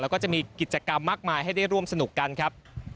แล้วก็จะมีกิจกรรมมากมายให้ได้ร่วมสนุกกันครับ